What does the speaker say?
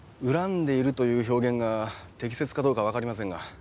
恨んでいるという表現が適切かどうかわかりませんが。